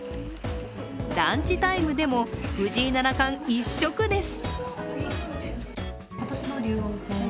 ランチタイムでも藤井七冠一色です。